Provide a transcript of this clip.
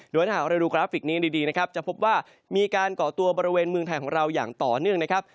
โดยถ้าหากเราดูกราฟิกนี้ดีนะครับจะพบว่ามีการก่อตัวบริเวณเมืองไทยของเราอย่างต่อเนื่องนะครับ